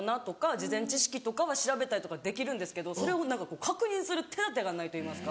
事前知識とかは調べたりとかできるんですけどそれを確認する手立てがないといいますか。